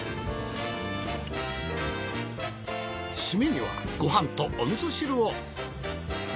しめにはごはんとおみそ汁を。